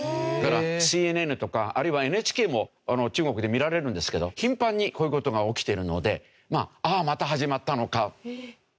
だからＣＮＮとかあるいはＮＨＫも中国で見られるんですけど頻繁にこういう事が起きてるので「ああまた始まったのか」。